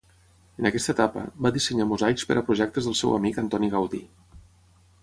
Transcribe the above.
En aquesta etapa, va dissenyar mosaics per a projectes del seu amic Antoni Gaudí.